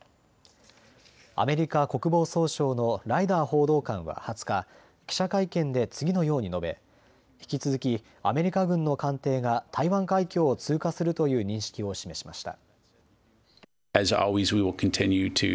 アメリカ国防総省のライダー報道官は２０日、記者会見で次のように述べ、引き続きアメリカ軍の艦艇が台湾海峡を通過するという認識を示しました。